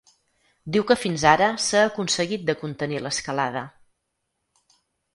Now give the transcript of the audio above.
Diu que fins ara s’ha aconseguit de contenir ‘l’escalada’.